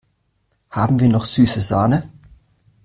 Haben wir noch süße Sahne?